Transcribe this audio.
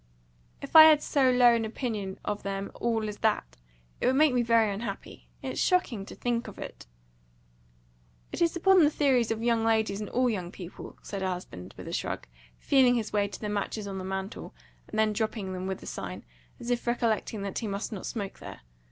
"If I had so low an opinion of them all as that, it would make me very unhappy. It's shocking to think of it." "It is upon the theory of ladies and all young people," said her husband, with a shrug, feeling his way to the matches on the mantel, and then dropping them with a sign, as if recollecting that he must not smoke there.